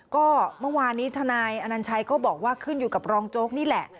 ก็เมื่อวานนี้ทนายอนัญชัยก็บอกว่าขึ้นอยู่กับรองโจ๊กนี่แหละ